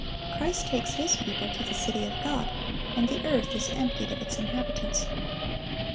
Christ takes His people to the city of God, and the earth is emptied of its inhabitants.